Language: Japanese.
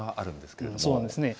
けれそうなんですね。